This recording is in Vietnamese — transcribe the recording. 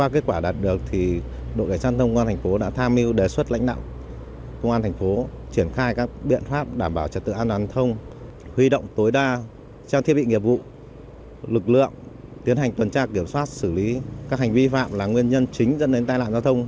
chúng tôi đã lôi cuốn các bạn học sinh tham gia cũng như là có thể truyền hình lại với các bạn học sinh tham gia trật tự an toàn giao thông từ đó góp phần nâng cao ý thức của người dân khi tham gia giao thông